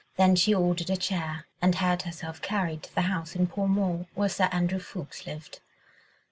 Then she ordered a chair, and had herself carried to the house in Pall Mall where Sir Andrew Ffoulkes lived.